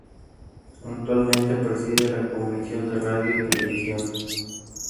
Actualmente preside la Comisión de Radio y Televisión.